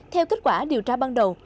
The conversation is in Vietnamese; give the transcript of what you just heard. theo kết quả điều tra ban đầu